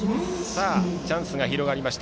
チャンスが広がりました。